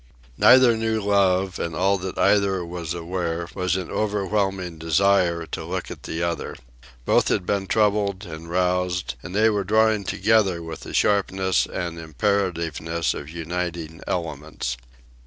Neither knew love, and all that either was aware was an overwhelming desire to look at the other. Both had been troubled and roused, and they were drawing together with the sharpness and imperativeness of uniting elements.